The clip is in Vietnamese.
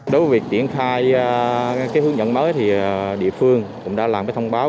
đối với việc triển khai hướng dẫn mới thì địa phương cũng đã làm cái thông báo